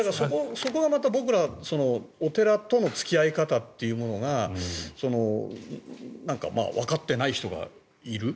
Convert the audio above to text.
そこがまた僕らお寺との付き合い方というものがわかっていない人がいる。